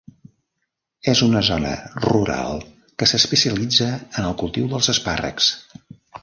És una zona rural que s"especialitza en el cultiu dels espàrrecs.